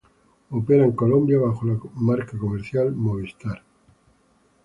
Opera en Colombia bajo la marca comercial Movistar.